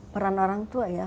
peran orang tua ya